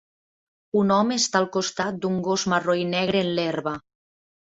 Un home està al costat d'un gos marró i negre en l'herba.